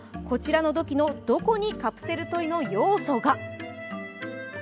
こちらの土器のどこにカプセルトイの要素が？